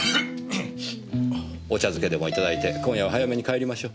お茶漬けでもいただいて今夜は早めに帰りましょう。